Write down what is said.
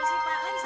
sudah lama sih